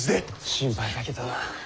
心配かけたな。